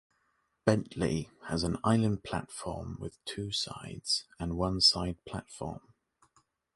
Bentleigh has an island platform with two sides, and one side platform.